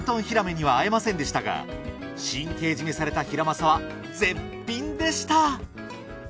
ヒラメには会えませんでしたが神経締めされたヒラマサは絶品でした！